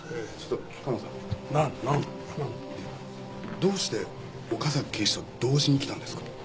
どうして岡崎警視と同時に来たんですか？